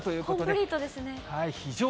コンプリートですね。